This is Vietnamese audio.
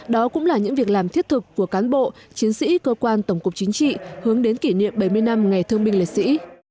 đó cũng là những việc làm thiết thực của cán bộ chiến sĩ cơ quan tổng cục chính trị hướng đến kỷ niệm bảy mươi năm ngày thương binh liệt sĩ